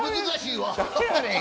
難しいわ。